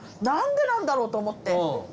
何でなんだろう？と思って。